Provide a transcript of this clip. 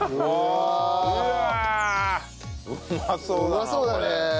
うまそうだね。